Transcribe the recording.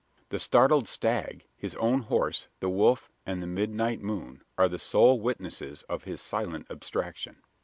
The startled stag, his own horse, the wolf, and the midnight moon, are the sole witnesses of his silent abstraction.